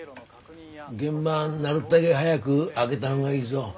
原盤なるったけ早く揚げた方がいいぞ。